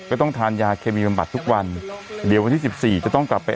ก็ต้องทานยาเคมีบำบัดทุกวันเดี๋ยววันที่สิบสี่จะต้องกลับไป